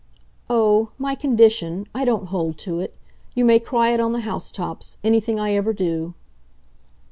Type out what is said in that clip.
"Oh, my 'condition' I don't hold to it. You may cry it on the housetops anything I ever do."